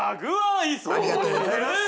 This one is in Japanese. ありがとうございます。